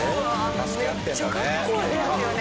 助け合ってるのね。